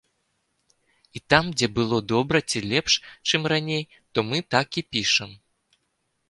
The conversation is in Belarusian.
І там, дзе было добра ці лепш, чым раней, то мы так і пішам.